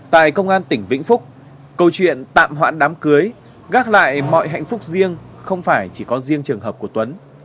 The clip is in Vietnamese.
tại công an tỉnh vĩnh phúc câu chuyện tạm hoãn đám cưới gác lại mọi hạnh phúc riêng không phải chỉ có riêng trường hợp của tuấn